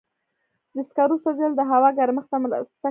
د سکرو سوځېدل د هوا ګرمښت ته مرسته کوي.